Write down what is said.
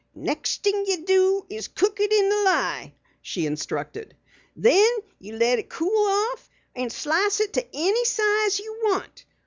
"Next thing ye do is to cook in the lye," she instructed. "Then you let it cool off and slice it to any size you want.